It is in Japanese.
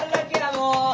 もう！